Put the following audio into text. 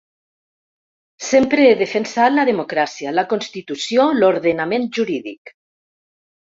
Sempre he defensat la democràcia, la constitució, l’ordenament jurídic.